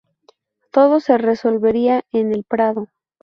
Todo se resolvería en El Prado.